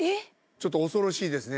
ちょっと恐ろしいですね。